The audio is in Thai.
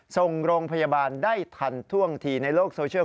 ส่งโรงพยาบาลได้ทันท่วงทีในโลกโซเชียล